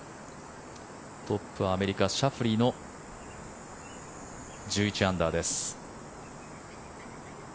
トップ、アメリカシャフリーの１１アンダーです。